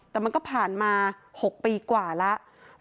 แต่มันก็ผ่านมา๖ปีกว่าแล้ว